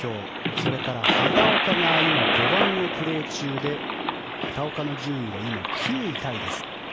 それから畑岡が今、５番をプレー中で、畑岡の順位が今、９位タイです。